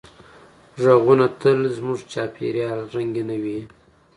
غږونه تل زموږ چاپېریال رنګینوي.